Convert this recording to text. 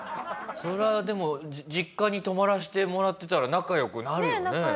それはでも実家に泊まらせてもらってたら仲良くなるよね。